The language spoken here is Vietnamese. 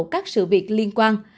các sự việc liên quan